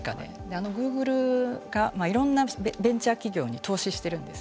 あのグーグルがいろんなベンチャー企業に投資してるんです。